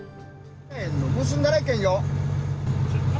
結んだらいけんよ。